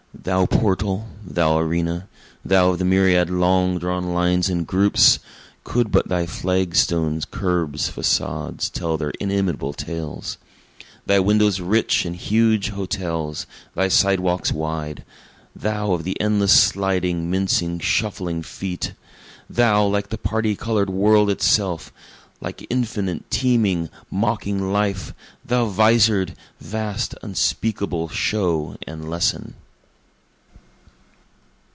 Thou portal thou arena thou of the myriad long drawn lines and groups! (Could but thy flagstones, curbs, facades, tell their inimitable tales; Thy windows rich, and huge hotels thy side walks wide;) Thou of the endless sliding, mincing, shuffling feet! Thou, like the parti colored world itself like infinite, teeming, mocking life! Thou visor'd, vast, unspeakable show and lesson!